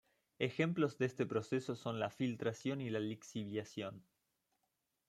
Ejemplos de este proceso son la filtración y la lixiviación.